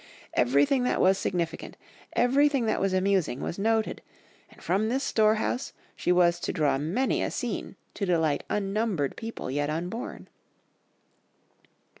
Everything that was significant, everything that was amusing was noted, and from this storehouse she was to draw many a scene to delight unnumbered people yet unborn.